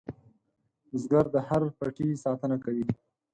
بزګر د هر پټي ساتنه کوي